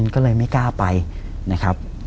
ก็เลยไม่กล้าไปนะครับ